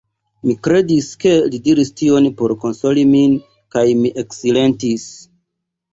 Mi kredis, ke li diris tion por konsoli min kaj mi eksilentis.